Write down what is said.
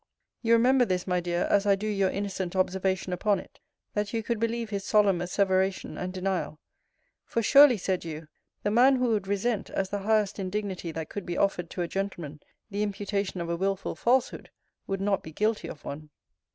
You remember this, my dear, as I do your innocent observation upon it, that you could believe his solemn asseveration and denial: 'For surely, said you, the man who would resent, as the highest indignity that could be offered to a gentleman, the imputation of a wilful falsehood, would not be guilty of one.'